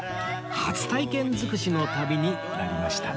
初体験尽くしの旅になりましたね